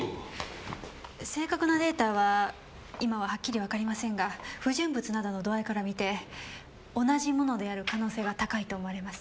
正確なデータは今ははっきりわかりませんが不純物等の度合いからみて同じものである可能性が高いと思われます。